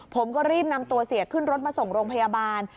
ผมก็รีบนำตัวเสียขึ้นรถมาส่งโรงพยาบาล